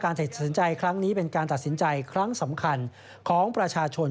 สนใจครั้งนี้เป็นการตัดสินใจครั้งสำคัญของประชาชน